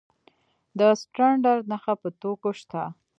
د سټنډرډ نښه په توکو شته؟